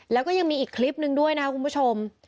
แล้วก็ยังมีอีกคลิปนึงด้วยนะครับคุณผู้ชม